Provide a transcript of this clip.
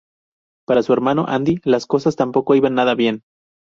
Para su hermano Andy las cosas tampoco iban nada bien.